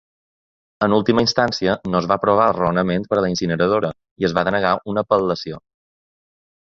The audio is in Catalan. En última instància, no es va aprovar el raonament per a la incineradora i es va denegar una apel·lació.